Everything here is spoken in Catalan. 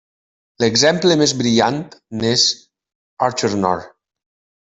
L'exemple més brillant n'és Achernar.